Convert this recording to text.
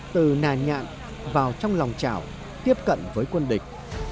từ nà nhạn vào trong lòng chảo tiếp cận với quân địch